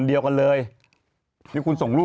กัญชัยมอบให้คุณจะเอายังอื่นนะครับ